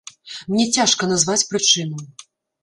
Мне цяжка назваць прычыну.